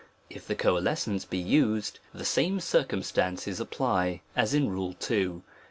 Tf the coalescence be used, the same circumstances apply, as in Rule II.